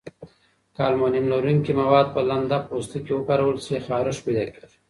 که المونیم لرونکي مواد په لنده پوستکي وکارول شي، خارښت پیدا کېږي.